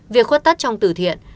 việc khuất tất trong từ thiện